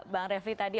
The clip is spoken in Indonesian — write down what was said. bang refli tadi